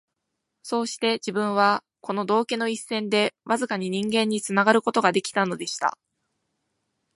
そうして自分は、この道化の一線でわずかに人間につながる事が出来たのでした